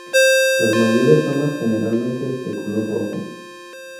Las mayores ramas generalmente de color rojo.